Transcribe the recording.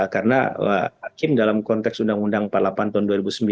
karena hakim dalam konteks undang undang empat puluh delapan tahun dua ribu sembilan